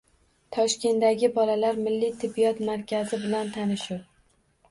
Toshkentdagi Bolalar Milliy tibbiyot markazi bilan tanishuv